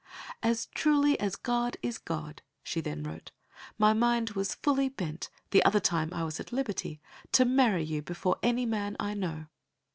"As truly as God is God," she then wrote, "my mind was fully bent, the other time I was at liberty, to marry you before any man I know.